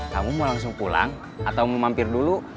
kamu mau langsung pulang atau mau mampir dulu